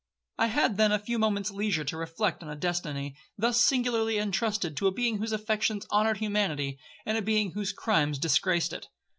I had then a few moments leisure to reflect on a destiny thus singularly entrusted to a being whose affections honoured humanity, and a being whose crimes disgraced it.